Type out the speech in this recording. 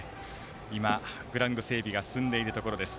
グラウンド整備が進んでいるところです。